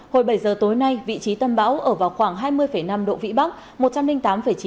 hồi bảy giờ tối nay vị trí tâm bão ở vào khoảng hai mươi năm độ vĩ bắc